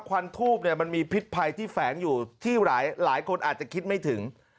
ควันทูบมันมีพิษภัยที่แฝงอยู่ที่หลายคนอาจจะคิดไม่ถึง